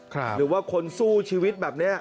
หรือว่าคนสู้ชีวิตแบบนี้